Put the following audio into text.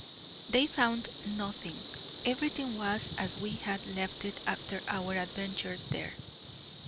They found nothing; everything was as we had left it after our adventures there.